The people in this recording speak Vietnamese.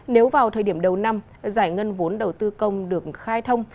nếu vào thời điểm đầu năm giải ngân vốn đầu tư công được khai thông